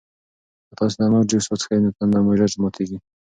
که تاسي د انار جوس وڅښئ نو تنده مو ژر ماتیږي.